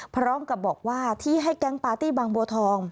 พร้อมกับบอกว่าที่ให้แก๊งปาร์ตี้บางบัวทอง